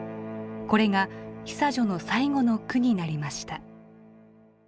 これが久女の最後の句になりました。